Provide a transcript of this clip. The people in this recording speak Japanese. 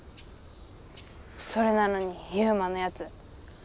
それなのにユウマのやつ。